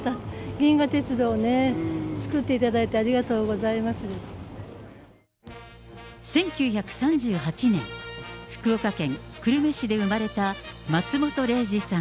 銀河鉄道ね、作っていただいて、１９３８年、福岡県久留米市で生まれた松本零士さん。